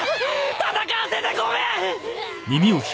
戦わせてごめん！